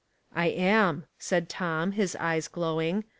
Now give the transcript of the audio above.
'' I am," said Tom, his eyes glowing.